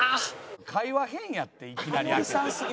会話変やっていきなり開けて。